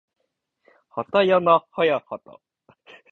はたやなはやはた